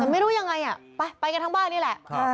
แต่ไม่รู้ยังไงไปกันทั้งบ้านนี่แหละ